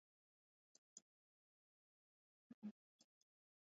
wafanyakazi wa meli ya titanic walifanya kazi kubwa ya uokoaji